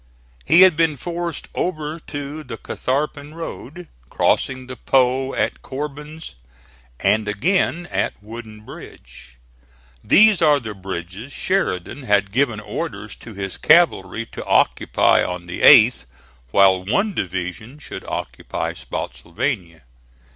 He had been forced over to the Catharpin Road, crossing the Po at Corbin's and again at Wooden Bridge. These are the bridges Sheridan had given orders to his cavalry to occupy on the 8th, while one division should occupy Spottsylvania.